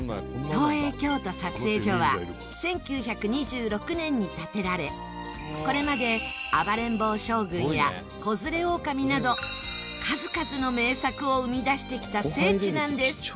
東映京都撮影所は１９２６年に建てられこれまで『暴れん坊将軍』や『子連れ狼』など数々の名作を生み出してきた聖地なんです。